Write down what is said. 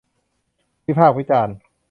วิพากษ์วิจารณ์